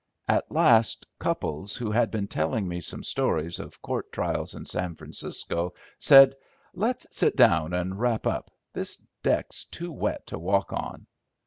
At last, Cupples, who had been telling me some stories of court trials in San Francisco, said, "Let's sit down and wrap up. This deck's too wet to walk on."